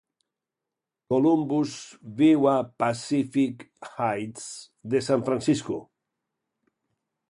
Columbus viu a Pacific Heights de San Francisco.